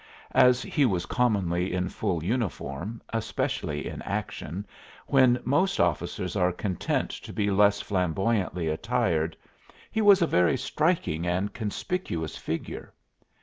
As he was commonly in full uniform, especially in action, when most officers are content to be less flamboyantly attired, he was a very striking and conspicuous figure.